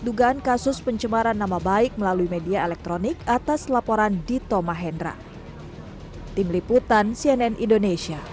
dugaan kasus pencemaran nama baik melalui media elektronik atas laporan di tomahendra tim liputan